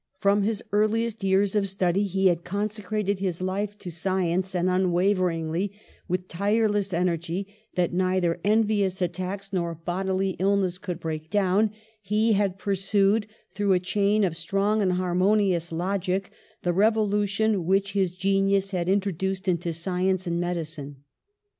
From his earliest years of study he had conse crated his life to science, and unwaveringly, with tireless energy, that neither envious at tacks nor bodily illness could break down, he had pursued, through a chain of strong and harmonious logic, the revolution which his genius had introduced into science and medi cine.